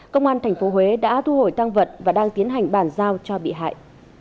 công an tp huế đã thu hồi tăng vật và đang tiến hành bàn giao cho bị hại